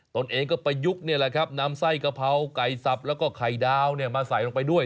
ตนเองก็ประยุกต์นี่แหละครับนำไส้กะเพราไก่สับแล้วก็ไข่ดาวมาใส่ลงไปด้วย